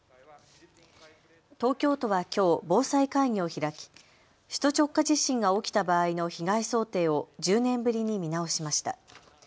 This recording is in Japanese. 東京都はきょう防災会議を開き首都直下地震が起きた場合の被害想定を１０年ぶりに見直しました。